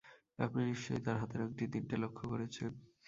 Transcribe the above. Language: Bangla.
আপনি নিশ্চয়ই তাঁর হাতের আঙটি তিনটি লক্ষ করেছেন।